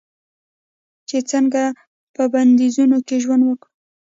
چې څنګه په بندیزونو کې ژوند وکړو.